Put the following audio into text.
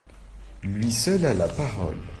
Lui seul a la parole.